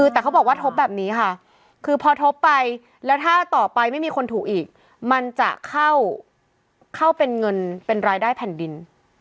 แต่เขาบอกว่าทบแบบนี้ค่ะคือพอทบไปแล้วถ้าต่อไปไม่มีคนถูกอีกมันจะเข้าเป็นเงินเป็นรายได้แผ่นดิน